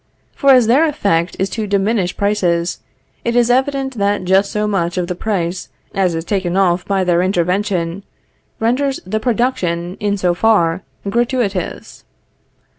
For as their effect is to diminish prices, it is evident that just so much of the price as is taken off by their intervention, renders the production in so far gratuitous.